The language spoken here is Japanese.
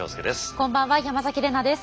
こんばんは山崎怜奈です。